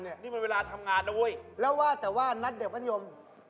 ใช่จะเป็นไรจับนกพราบ